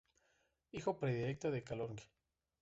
Hijo predilecto de Calonge.